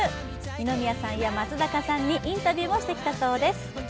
二宮さんや松坂さんにインタビューもしてきたそうです。